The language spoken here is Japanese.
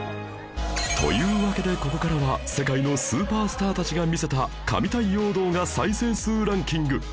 というわけでここからは世界のスーパースターたちが見せた神対応動画再生数ランキング！